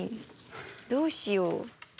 どうしよう。